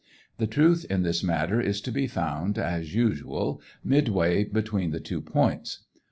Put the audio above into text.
The truth in this matter is to be found, as usual, midway between the two points.